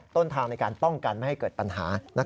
ต้นทางในการป้องกันไม่ให้เกิดปัญหา